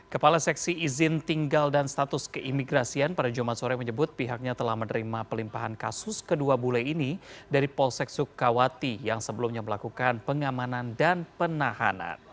kepala seksi izin tinggal dan status keimigrasian pada jumat sore menyebut pihaknya telah menerima pelimpahan kasus kedua bule ini dari polsek sukawati yang sebelumnya melakukan pengamanan dan penahanan